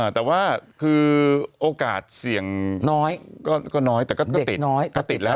แต่ว่าคือโอกาสเสี่ยงน้อยก็น้อยแต่ก็ติดแล้ว